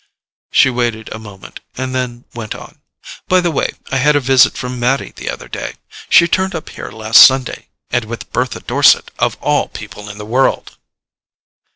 She waited a moment, and then went on: "By the way, I had a visit from Mattie the other day. She turned up here last Sunday—and with Bertha Dorset, of all people in the world!"